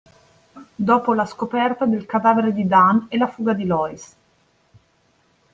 Dopo la scoperta del cadavere di Dan e la fuga di Loïs.